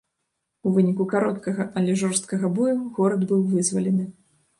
У выніку кароткага, але жорсткага бою, горад быў вызвалены.